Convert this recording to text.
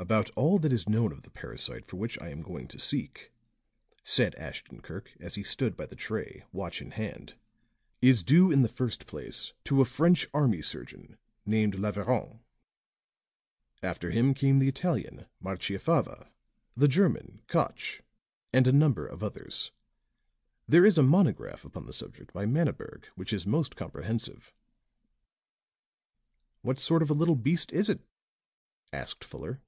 "About all that is known of the parasite for which I am going to seek," said Ashton Kirk as he stood by the tray, watch in hand, "is due in the first place to a French army surgeon named Laveran. After him came the Italian, Marchiafava, the German, Koch, and a number of others. There is a monograph upon the subject by Mannaberg which is most comprehensive." "What sort of a little beast is it?" asked Fuller.